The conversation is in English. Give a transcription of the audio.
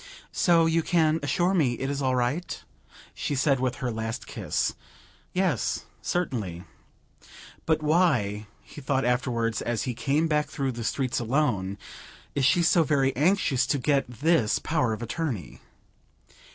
"So you can assure me it is all right?" she said with her last kiss. "Yes, certainly." "But why," he thought afterwards as he came back through the streets alone, "is she so very anxious to get this power of attorney?"